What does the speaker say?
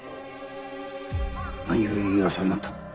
何故言い争いになった？